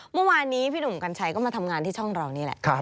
เมื่อวานนี้พี่หนุ่มกัญชัยก็มาทำงานที่ช่องเรานี่แหละ